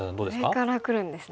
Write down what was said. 上からくるんですね。